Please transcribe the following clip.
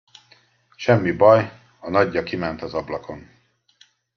Semmi baj, a nagyja kiment az ablakon.